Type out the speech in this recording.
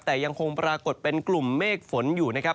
แต่ยังคงปรากฏเป็นกลุ่มเมฆฝนอยู่นะครับ